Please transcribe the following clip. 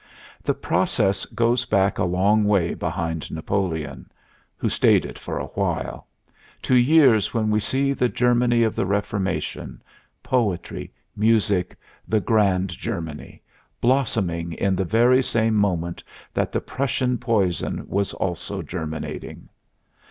The process goes back a long way behind Napoleon who stayed it for a while to years when we see the Germany of the Reformation, Poetry, Music, the grand Germany, blossoming in the very same moment that the Prussian poison was also germinating.